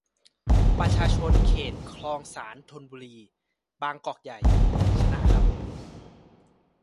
ประชาชนเขต คลองสาน ธนบุรี บางกอกใหญ ชนะครับ